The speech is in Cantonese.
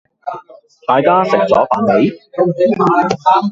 大家食咗飯未